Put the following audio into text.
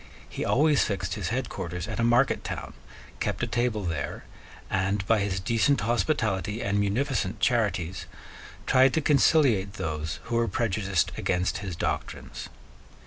He always fixed his headquarters at a market town, kept a table there, and, by his decent hospitality and munificent charities, tried to conciliate those who were prejudiced against his doctrines.